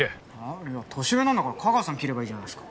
いや年上なんだから架川さん切ればいいじゃないですか。